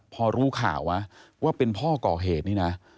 พอรู้ข่าวนะว่าเป็นพ่อก่อเหตุนี่นะ